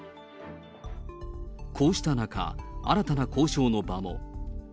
こうした中、新たな交渉の場も。